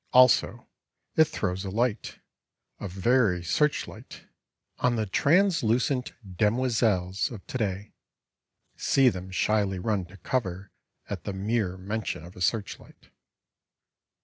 Also it throws a light, a very searchlight, on the translucent demoiselles of today (see them shyly run to cover at the mere mention of a searchlight.)